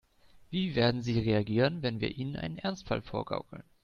Wie werden sie reagieren, wenn wir ihnen einen Ernstfall vorgaukeln?